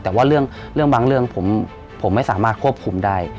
แต่ว่าเรื่องบางเรื่องผมไม่สามารถควบคุมได้